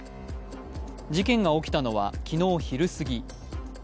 事件が起きたのは昨日昼過ぎ。